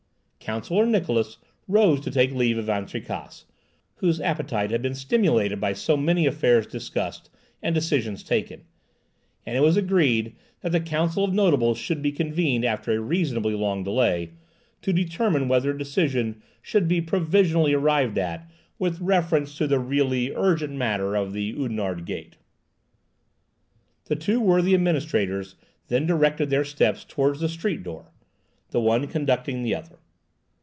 Counsellor Niklausse rose to take leave of Van Tricasse, whose appetite had been stimulated by so many affairs discussed and decisions taken; and it was agreed that the council of notables should be convened after a reasonably long delay, to determine whether a decision should be provisionally arrived at with reference to the really urgent matter of the Oudenarde gate. The two worthy administrators then directed their steps towards the street door, the one conducting the other.